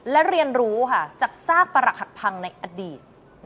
และเรียนรู้ค่ะจากซากประหลักหักพังในอดีต